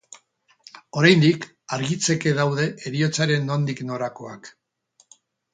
Oraindik argitzeke daude heriotzaren nondik norakoak.